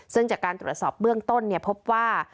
ซึ่งจากการตรวจสอบเบื้องต้นพบว่า